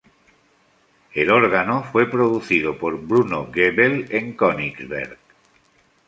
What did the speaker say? El órgano, fue producido por Bruno Goebel en Königsberg.